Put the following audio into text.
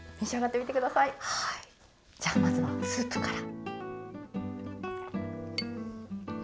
じゃあ、まずはスープから。